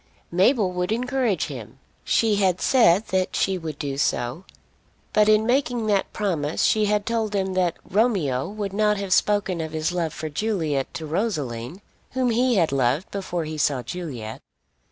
Mabel would encourage him. She had said that she would do so. But in making that promise she had told him that Romeo would not have spoken of his love for Juliet to Rosaline, whom he had loved before he saw Juliet.